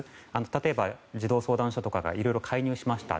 例えば児童相談所とかがいろいろ介入しました。